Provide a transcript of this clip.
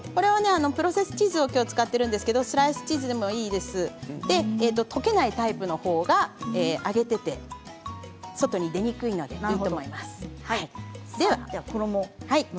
プロセスチーズを使っていますけれどスライスチーズでもいいですし溶けないタイプのほうが揚げていて外に出にくいのでいいと思います。